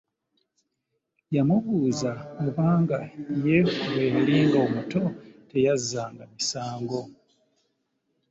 Yamubuuza obanga ye bwe yalinga omuto teyazzanga misango